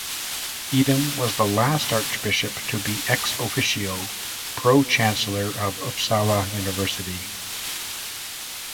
Eidem was the last archbishop to be "ex officio" Pro-Chancellor of Uppsala University.